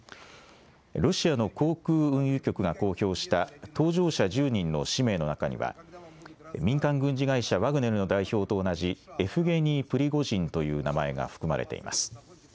ロシアの航空運輸局が公表した搭乗者１０人の氏名の中には民間軍事会社ワグネルの代表と同じエフゲニー・プリゴジンという名前が含まれています。